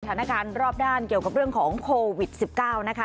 สถานการณ์รอบด้านเกี่ยวกับเรื่องของโควิด๑๙นะคะ